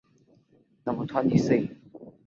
单囊齿唇兰为兰科齿唇兰属下的一个种。